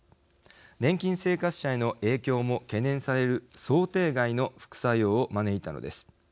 年金生活者への影響も懸念される想定外の副作用を招いたのです。